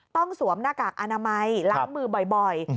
สวมหน้ากากอนามัยล้างมือบ่อย